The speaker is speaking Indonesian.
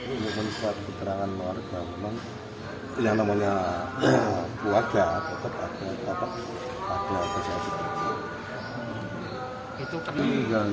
ini memang sebuah keterangan keluarga memang yang namanya keluarga tetap ada keselamatan